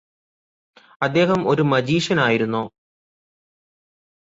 അദ്ദേഹം ഒരു മജീഷ്യനായിരുന്നോ